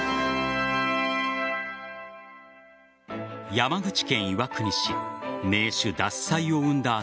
山口県岩国市銘酒・獺祭を生んだ旭